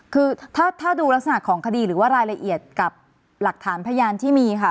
คือถ้าดูลักษณะของคดีหรือว่ารายละเอียดกับหลักฐานพยานที่มีค่ะ